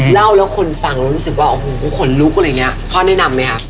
เล่าแล้วคนฟังแล้วรู้สึกว่าโอ้โหขนลุกอะไรอย่างนี้พ่อแนะนำไหมครับ